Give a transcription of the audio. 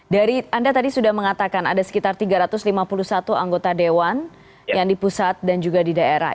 dari anda tadi sudah mengatakan ada sekitar tiga ratus lima puluh satu anggota dewan yang di pusat dan juga di daerah